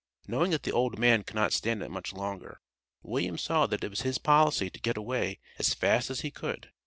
Knowing that the old man could not stand it much longer, William saw that it was his policy to get away as fast as he could.